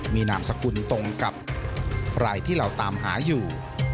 มีนามสกุลตรงกับรายที่เราตามหาอยู่